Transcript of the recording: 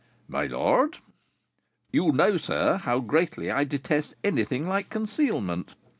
"My lord!" "You know, sir, how greatly I detest anything like concealment."